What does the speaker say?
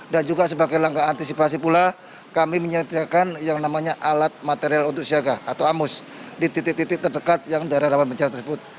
dan juga sebagai langkah antisipasi pula kami menyediakan yang namanya alat material untuk siaga atau amus di titik titik terdekat yang daerah rawan bencana tersebut